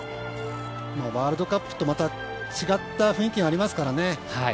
ワールドカップとまた違った雰囲気がありますからね。